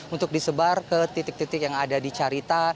untuk disebar ke titik titik yang ada di carita